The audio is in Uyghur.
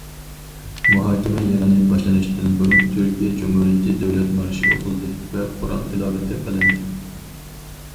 مۇھاكىمە يىغىنى باشلىنىشتىن بۇرۇن تۈركىيە جۇمھۇرىيىتى دۆلەت مارشى ئوقۇلدى ۋە قۇرئان تىلاۋىتى قىلىندى.